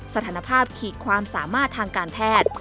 สถานภาพขีดความสามารถทางการแพทย์